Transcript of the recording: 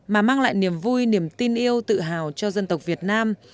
mà mang lại niềm vui niềm tin yêu tự hào cho dân tộc việt nam